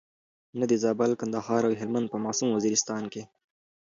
نه د زابل، کندهار او هلمند په معصوم وزیرستان کې.